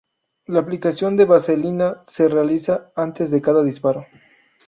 La aplicación de vaselina se realiza antes de cada disparo.